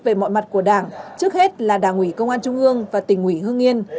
về mọi mặt của đảng trước hết là đảng ủy công an trung ương và tỉnh ủy hương nhiên